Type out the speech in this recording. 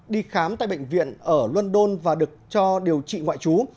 đi khám tại bệnh viện ở london và được cho điều trị ngoại trú